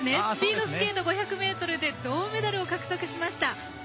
スピードスケート５００ｍで銅メダルを獲得しました。